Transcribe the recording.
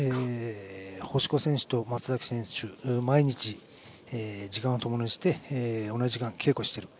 星子選手と松崎選手は毎日時間をともにして同じ時間、稽古している。